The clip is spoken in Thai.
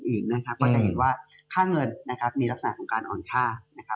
ก็จะเห็นว่าค่าเงินมีลักษณะของการอ่อนค่า